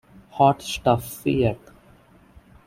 Hot Stuff feat.